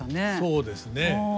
そうですね。